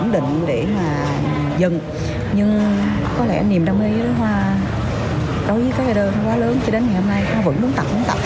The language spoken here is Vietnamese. thịnh nghĩ rằng là hoa sẽ có một cái giới hạn